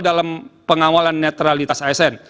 dalam pengawalan netralitas asn